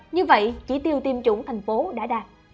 như vậy chỉ tiêu tiêm chủng tp hcm đã đạt